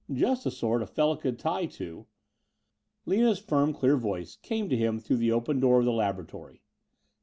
Just the sort a fellow could tie to.... Lina's firm clear voice came to him through the open door of the laboratory.